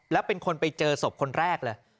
แล้วเป็นคนไปเจอศพคนแรกเลย